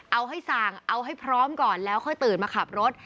เอาให้สั่งเอาให้พร้อมก่อนแล้วค่อยตื่นมาขับรถ